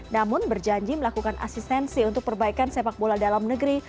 namun berjanji melakukan asistensi untuk perbaikan sepak bola dalam negeri